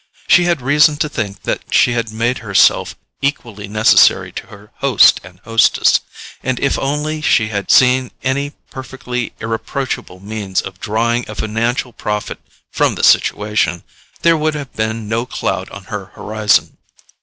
She had reason to think that she had made herself equally necessary to her host and hostess; and if only she had seen any perfectly irreproachable means of drawing a financial profit from the situation, there would have been no cloud on her horizon.